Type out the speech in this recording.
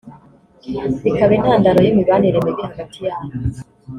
bikaba intandaro y’imibanire mibi hagati yanyu